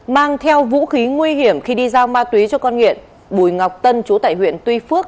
mang theo vũ khí nguy hiểm khi đi giao ma túy cho con nghiện bùi ngọc tân chú tại huyện tuy phước